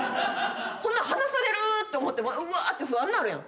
ほな離されるって思ってうわーって不安なるやん。